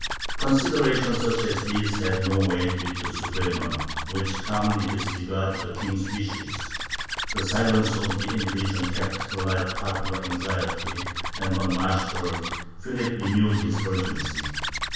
Considerations such as these had no weight with the Suprema, which calmly disregarded the king's wishes. The silence of the Inquisition kept alive popular anxiety and, on March 3d, Philip renewed his urgency.